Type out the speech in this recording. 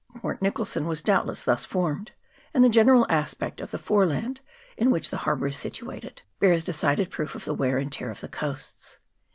Port Nicholson was doubtless thus formed, and the general aspect of the foreland, in which the harboijr is situated, bears decided proof of the wear and tear of the coasts.